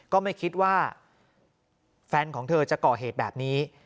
ก็ไม่คิดว่าแฟนของเธอจะก่อเหตุแบบนี้